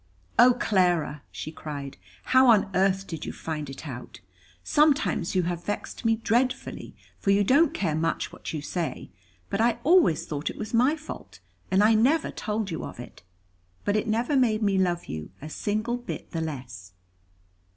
"Oh, Clara," she cried, "how on earth did you find it out? Sometimes you have vexed me dreadfully, for you don't care much what you say; but I always thought it was my fault, and I never told you of it. But it never made me love you a single bit the less."